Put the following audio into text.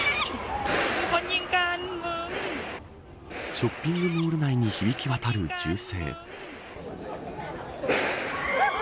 ショッピングモール内に響き渡る銃声。